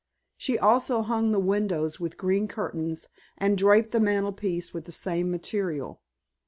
She also hung the windows with green curtains and draped the mantelpiece with the same material.